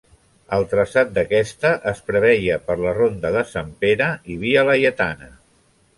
El traçat d'aquesta es preveia per la ronda de Sant Pere i Via Laietana.